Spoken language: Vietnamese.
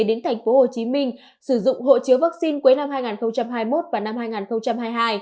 đến tp hcm sử dụng hộ chiếu vaccine cuối năm hai nghìn hai mươi một và năm hai nghìn hai mươi hai